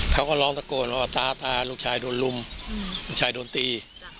เขาก็ร้องตะโกนว่าท้าทาลูกชายโดนลุมลูกชายโดนตี